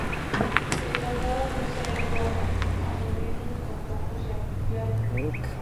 El Tratado no se ha elevado a modelo ni tampoco se ha copiado.